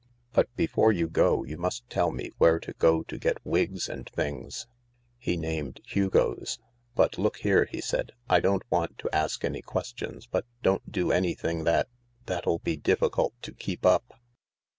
But before you go you must tell me where to go to get wigs and things." He named Hugo's. " But look here," he said. " I don't want to ask any questions, but don't do. anything that — that'll be difficult to keep up."